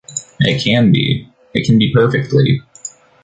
It can be. It can be perfectly.